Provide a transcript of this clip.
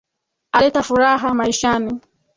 Aleta furaha maishani.